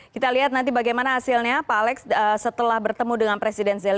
kita lihat nanti bagaimana hasilnya pak alex setelah bertemu dengan presiden zeline